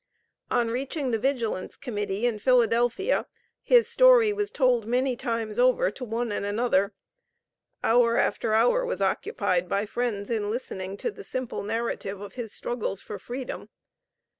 On reaching the Vigilance Committee in Philadelphia, his story was told many times over to one and another. Hour after hour was occupied by friends in listening to the simple narrative of his struggles for freedom.